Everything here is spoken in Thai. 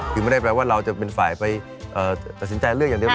คือไม่ได้แปลว่าเราจะเป็นฝ่ายไปตัดสินใจเลือกอย่างเดียว